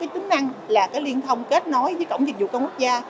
tính năng là liên thông kết nối với cổng dịch vụ công quốc gia